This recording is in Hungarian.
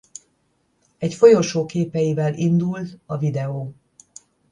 Egy folyosó képeivel indul a videó.